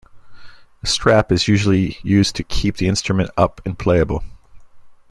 A strap is usually used to keep the instrument up and playable.